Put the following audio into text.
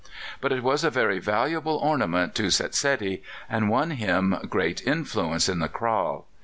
But it was a very valuable ornament to Setsedi, and won him great influence in the kraal.